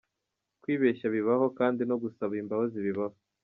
Kwibeshya bibaho, kandi no gusaba imbabazi bibaho.